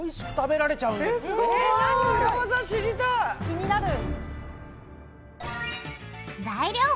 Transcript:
気になる！